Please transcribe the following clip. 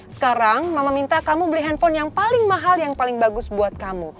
sekarang mama minta kamu beli handphone yang paling mahal yang paling bagus buat kamu